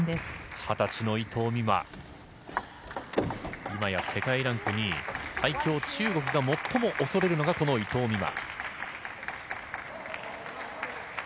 ２０歳の伊藤美誠、今や世界ランク２位、最強・中国が最も恐れるのが、この伊藤美誠。